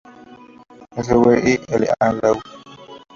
Elsewhere" y "L. A. Law".